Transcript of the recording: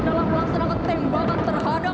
dalam pelaksanaan tembakan terhadap